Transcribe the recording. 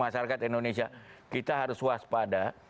masyarakat indonesia kita harus waspada